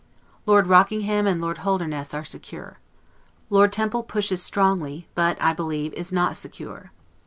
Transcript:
Lord Rockingham and Lord Holdernesse are secure. Lord Temple pushes strongly, but, I believe, is not secure.